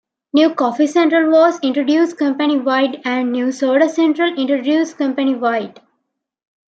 "New Coffee Central" was introduced company wide, and "New Soda Central" introduced company wide.